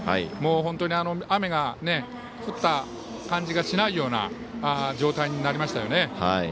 本当に雨が降った感じがしないような状態になりましたね。